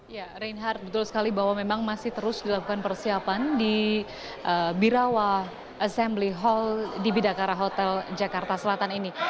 ya reinhardt betul sekali bahwa memang masih terus dilakukan persiapan di birawa assembly hall di bidakara hotel jakarta selatan ini